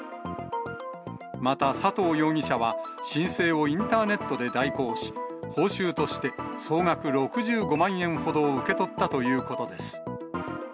また佐藤容疑者は、申請をインターネットで代行し、報酬として総額６５万円ほどを受け取ったということです。